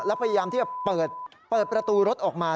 แล้วพยายามที่จะเปิดประตูรถออกมา